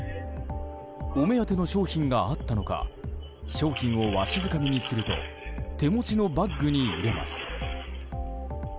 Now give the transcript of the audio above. お目当ての商品があったのか商品をわしづかみにすると手持ちのバッグに入れます。